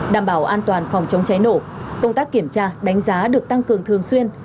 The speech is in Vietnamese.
đảm bảo an toàn phòng chống cháy nổ công tác kiểm tra đánh giá được tăng cường thường xuyên